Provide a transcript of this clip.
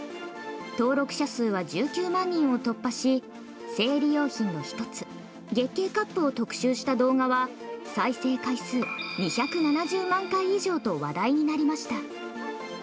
登録者数は１９万人を突破し生理用品の１つ月経カップを特集した動画は再生回数２７０万回以上と話題になりました。